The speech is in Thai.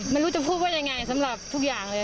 ไม่รู้จะพูดว่ายังไงสำหรับทุกอย่างเลย